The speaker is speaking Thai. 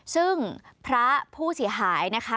ซึ่งพระผู้เสียหายนะคะ